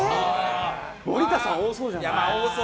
森田さん、多そうじゃない？